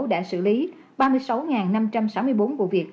đã xử lý ba mươi sáu năm trăm sáu mươi bốn vụ việc